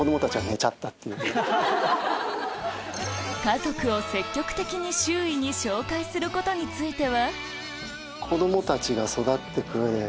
家族を積極的に周囲に紹介することについては？